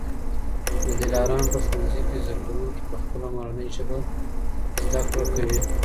د دلارام په ښوونځي کي زده کوونکي په خپله مورنۍ ژبه زده کړه کوي.